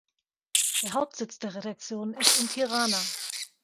Der Hauptsitz der Redaktion ist in Tirana.